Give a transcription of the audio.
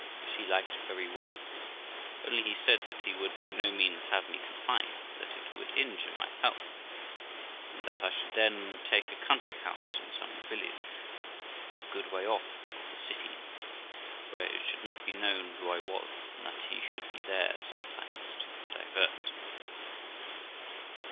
This he liked very well; only he said that he would by no means have me confined; that it would injure my health, and that I should then take a country house in some village, a good way off of the city, where it should not be known who I was, and that he should be there sometimes to divert me.